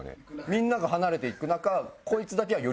みんなが離れていく中